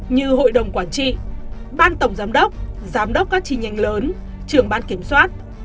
như hội đồng quản trị ban tổng giám đốc giám đốc các chi nhánh lớn trưởng ban kiểm soát